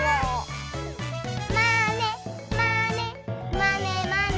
「まねまねまねまね」